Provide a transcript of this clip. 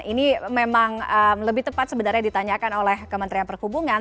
ini memang lebih tepat sebenarnya ditanyakan oleh kementerian perhubungan